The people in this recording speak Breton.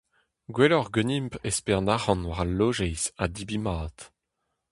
Gwelloc'h ganimp espern arc'hant war al lojeiz ha debriñ mat.